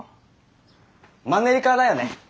マンネリ化だよね。